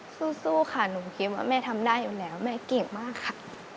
สู้ค่ะหนูคิดว่าแม่ทำได้อยู่แล้วแม่เก่งมากค่ะ